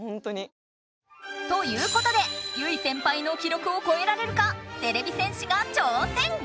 ということで結実先輩の記録をこえられるかてれび戦士が挑戦！